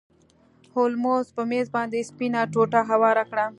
هولمز په میز باندې سپینه ټوټه هواره کړه.